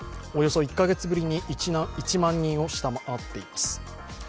およそ１カ月ぶりに１万人を下回っています。